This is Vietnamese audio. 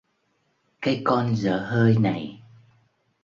Cái con dở hơi này